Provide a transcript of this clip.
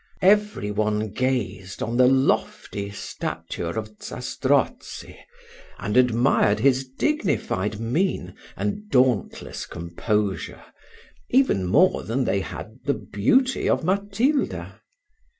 Every one gazed on the lofty stature of Zastrozzi, and admired his dignified mein and dauntless composure, even more than they had the beauty of Matilda.